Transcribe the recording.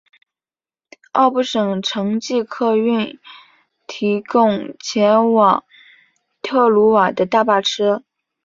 奥布省城际客运提供前往特鲁瓦的大巴车。